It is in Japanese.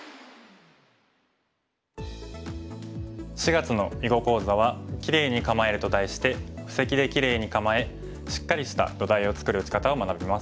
４月の囲碁講座は「キレイに構える」と題して布石でキレイに構えしっかりした土台を作る打ち方を学びます。